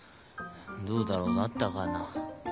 どうだろうなったかな。